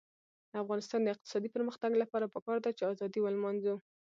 د افغانستان د اقتصادي پرمختګ لپاره پکار ده چې ازادي ولمانځو.